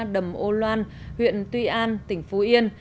đầm ô loan huyện tuy an tỉnh phú yên